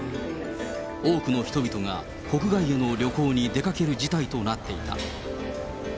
多くの人々が国外への旅行に出かける事態となっていた。